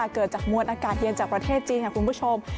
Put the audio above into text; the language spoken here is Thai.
เกิดจากมวลอากาศเย็นจากประเทศจีนค่ะคุณผู้ชม